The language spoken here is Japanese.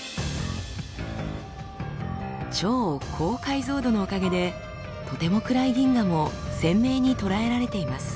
超高解像度のおかげでとても暗い銀河も鮮明にとらえられています。